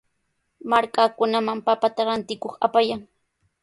Kay markapita huk markakunaman papata rantikuq apayan.